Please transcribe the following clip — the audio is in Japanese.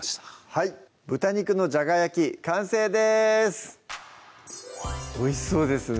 はい「豚肉のじゃが焼き」完成ですおいしそうですね